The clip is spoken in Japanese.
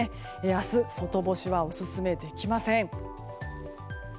明日、外干しはオススメできません。